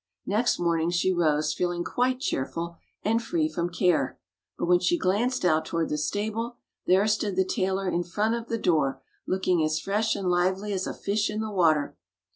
Next morning she rose feeling quite cheerful and free from care, but when she glanced out toward the stable there stood the tailor in front of the door looking as fresh and lively as a fish in the water.